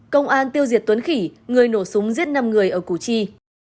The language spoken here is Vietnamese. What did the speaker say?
công an tiêu diệt tuấn khỉ người nổ súng giết năm người ở củ chi